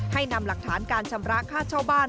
ให้นำหลักฐานการชำระค่าเช่าบ้าน